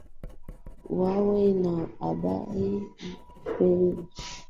wawe na habari ambazo vimefanyiwa utafiti kwa maana ya kwamba kama